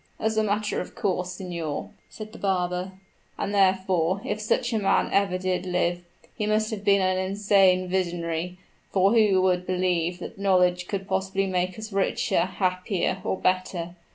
"As a matter of course, signor," said the barber; "and therefore, if such a man ever did live, he must have been an insane visionary for who would believe that knowledge could possibly make us richer, happier, or better?